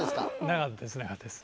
なかったですなかったです。